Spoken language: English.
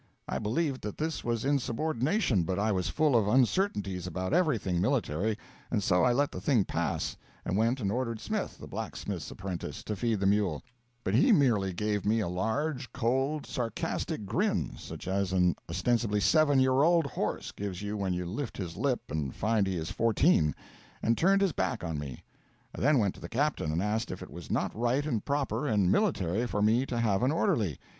I believed that this was insubordination, but I was full of uncertainties about everything military, and so I let the thing pass, and went and ordered Smith, the blacksmith's apprentice, to feed the mule; but he merely gave me a large, cold, sarcastic grin, such as an ostensibly seven year old horse gives you when you lift his lip and find he is fourteen, and turned his back on me. I then went to the captain, and asked if it was not right and proper and military for me to have an orderly.